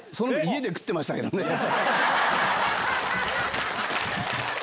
家で食ってましたけどね。